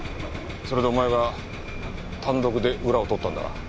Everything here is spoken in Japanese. それでお前が単独で裏を取ったんだな？